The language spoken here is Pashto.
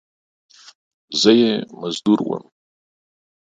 زه یې مزدور وم !